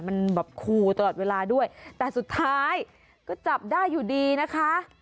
มันแบบขู่ตลอดเวลาด้วยแต่สุดท้ายก็จับได้อยู่ดีนะคะ